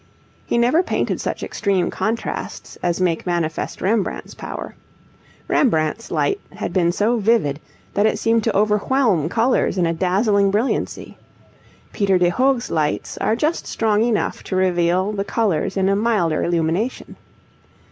He never painted such extreme contrasts as make manifest Rembrandt's power. Rembrandt's light had been so vivid that it seemed to overwhelm colours in a dazzling brilliancy. Peter de Hoogh's lights are just strong enough to reveal the colours in a milder illumination.